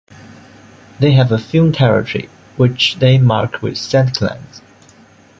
They have a firm territory, which they mark with scent glands.